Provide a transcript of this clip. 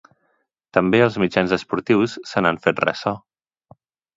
També els mitjans esportius se n’han fet ressò.